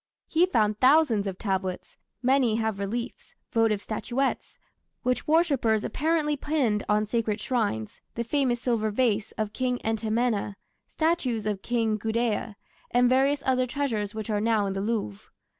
He found thousands of tablets, many has reliefs, votive statuettes, which worshippers apparently pinned on sacred shrines, the famous silver vase of King Entemena, statues of King Gudea, and various other treasures which are now in the Louvre.